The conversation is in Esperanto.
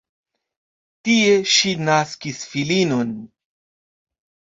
Tie ŝi naskis filinon.